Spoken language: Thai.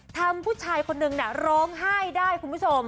ผู้ชายคนนึงร้องไห้ได้คุณผู้ชม